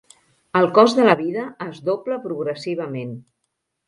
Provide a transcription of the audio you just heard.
El cost de la vida es dobla progressivament.